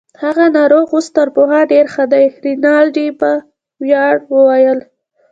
هغه ناروغ اوس تر پخوا ډیر ښه دی. رینالډي په ویاړ وویل.